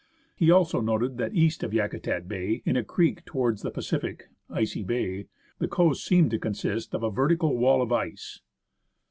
He also noted that east of Yakutat Bay, in a creek towards the Pacific (Icy Bay), the coast seemed to consist of a vertical wall of ice.